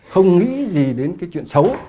không nghĩ gì đến cái chuyện xấu